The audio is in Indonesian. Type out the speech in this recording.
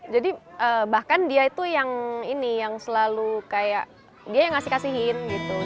jadi bahkan dia itu yang selalu kayak dia yang ngasih kasihin